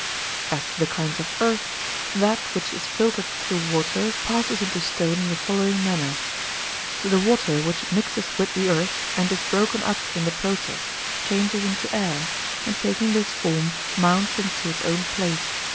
As to the kinds of earth, that which is filtered through water passes into stone in the following manner:—The water which mixes with the earth and is broken up in the process changes into air, and taking this form mounts into its own place.